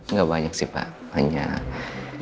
nggak banyak sih pak